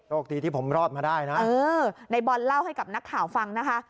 คดีที่ผมรอดมาได้นะเออในบอลเล่าให้กับนักข่าวฟังนะคะ